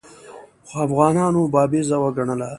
خو افغانانو بابیزه وګڼله.